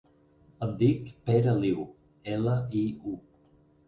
Em dic Pere Liu: ela, i, u.